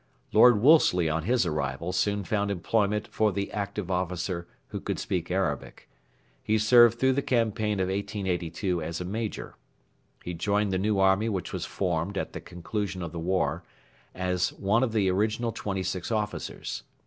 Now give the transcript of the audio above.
Lord Wolseley on his arrival soon found employment for the active officer who could speak Arabic. He served through the campaign of 1882 as a major. He joined the new army which was formed at the conclusion of the war, as one of the original twenty six officers.